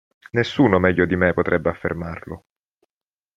Nessuno meglio di me potrebbe affermarlo.